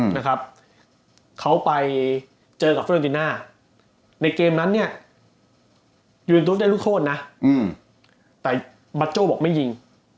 นะครับเขาไปเจอกับฟิโรตินะในเกมนั้น